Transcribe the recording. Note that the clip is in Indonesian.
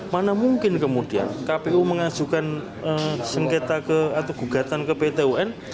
mana mungkin kemudian kpu mengajukan sengketa atau gugatan ke pt un